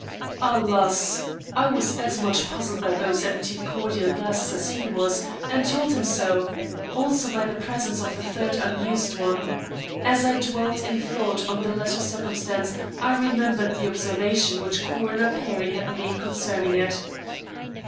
Alas! I was as much puzzled by those emptied cordial glasses as he was, and told him so; also by the presence of the third unused one. As I dwelt in thought on the latter circumstance, I remembered the observation which Coroner Perry had made concerning it.